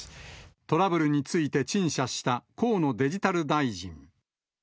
トラブルについて陳謝した河野デジタル大臣。